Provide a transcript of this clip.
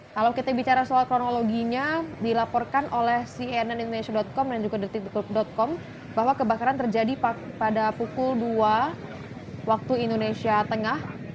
kalau kita bicara soal kronologinya dilaporkan oleh cnnindonesia com dan juga detik detik com bahwa kebakaran terjadi pada pukul dua waktu indonesia tengah